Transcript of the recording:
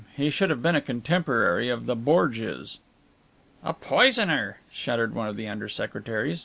He should have been a contemporary of the Borgias." "A poisoner!" shuddered one of the under secretaries.